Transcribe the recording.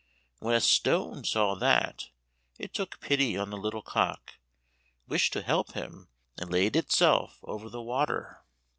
When a stone saw that, it took pity on the little cock, wished to help him, and laid itself over the water.